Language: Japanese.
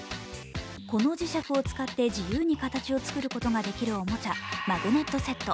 この磁石を使って自由に形を作ることができるおもちゃ、マグネットセット。